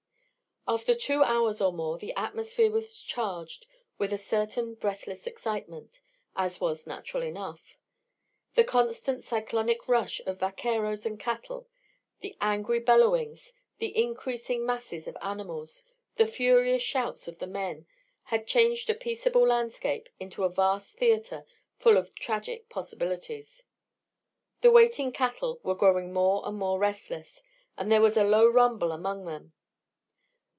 After two hours or more, the atmosphere was charged with a certain breathless excitement, as was natural enough. The constant cyclonic rush of vaqueros and cattle, the angry bellowings, the increasing masses of animals, the furious shouts of the men, had changed a peaceable landscape into a vast theatre full of tragic possibilities. The waiting cattle were growing more and more restless, and there was a low rumble among them.